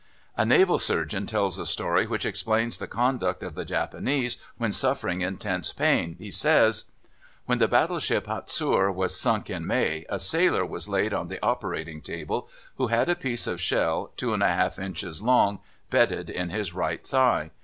A naval surgeon tells a story which explains the conduct of the Japanese when suffering intense pain. He says: "When the battleship Hatsure was sunk in May, a sailor was laid on the operating table who had a piece of shell 2½ inches long bedded in his right thigh.